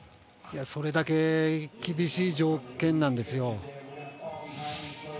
それだけ厳しい条件なんですよ。